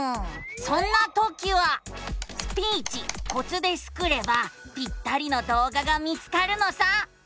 そんなときは「スピーチコツ」でスクればぴったりの動画が見つかるのさ。